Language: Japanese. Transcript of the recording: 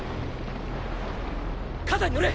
肩に乗れ！